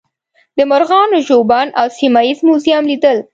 د مرغانو ژوبڼ او سیمه ییز موزیم لیدل.